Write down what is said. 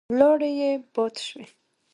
لاړې يې باد شوې.